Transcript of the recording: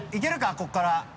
ここから。